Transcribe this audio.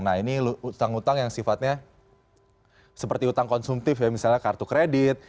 nah ini hutang hutang yang sifatnya seperti hutang konsumtif ya misalnya kartu kredit